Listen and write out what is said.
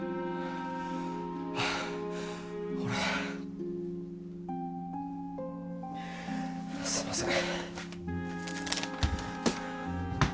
俺すいません